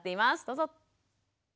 どうぞ。